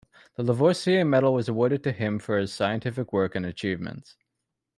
The Lavoisier Medal was awarded to him for his scientific work and achievements.